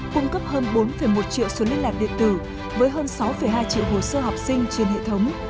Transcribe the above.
cung cấp hơn bốn một triệu số liên lạc điện tử với hơn sáu hai triệu hồ sơ học sinh trên hệ thống